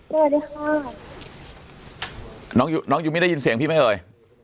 สวัสดีค่ะน้องน้องยูมี่ได้ยินเสียงพี่ไหมเอ่ย